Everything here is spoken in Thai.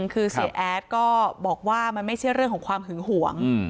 คือเสียแอดก็บอกว่ามันไม่ใช่เรื่องของความหึงหวง